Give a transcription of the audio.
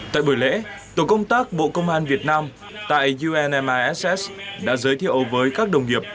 tại buổi lễ tổ công tác bộ công an việt nam tại unmiss đã giới thiệu với các đồng nghiệp